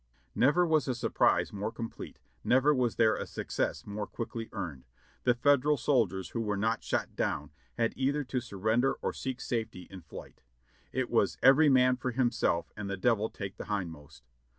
Xever was a surprise more complete, never was there a success more quickly earned. The Federal soldiers who were not shot down had either to surrender or seek safety in flight. It was "every man for himself, and the Devil take the hindmost."'